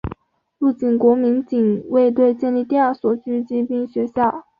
陆军国民警卫队建立第二所狙击兵学校。